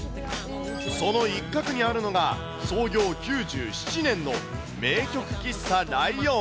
その一角にあるのが、創業９７年の名曲喫茶ライオン。